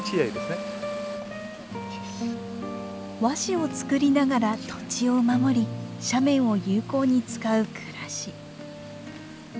和紙を作りながら土地を守り斜面を有効に使う暮らし。